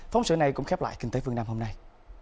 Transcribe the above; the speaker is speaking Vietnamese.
phóng sự này cũng khép lại kinh tế phương nam hôm nay